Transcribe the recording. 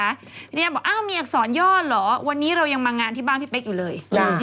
พยายามบอกอ้าวมีอักษรย่อเหรอวันนี้เรายังมางานที่บ้านพี่เป๊กอยู่เลย